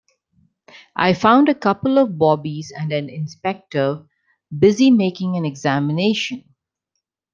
I found a couple of bobbies and an inspector busy making an examination.